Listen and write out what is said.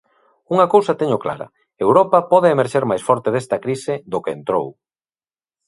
Unha cousa teño clara: Europa pode emerxer máis forte desta crise do que entrou.